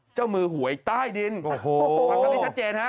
เจ้ามือหวยใต้ดินความความซัมมิตรชัดเจนฮะ